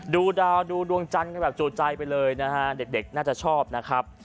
ดูดาวดูดวงจันทร์กันแบบจู่ใจไปเลยนะฮะเด็กน่าจะชอบนะครับ